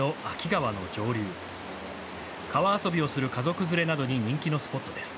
川遊びをする家族連れなどに人気のスポットです。